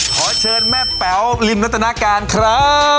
ขอเชิญแม่เป๋าริมรัตนาการครับ